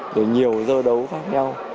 và nhiều giơ đấu khác nhau